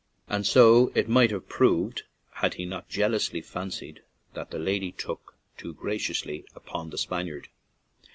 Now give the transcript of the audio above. And so it might have proved had he not jeal ously fancied that the lady looked too graciously upon the Spaniard.